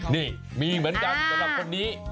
นี่มีเหมือนกันสำหรับคนนี้